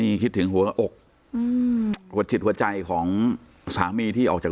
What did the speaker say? นี่คิดถึงหัวอกอืมหัวจิตหัวใจของสามีที่ออกจาก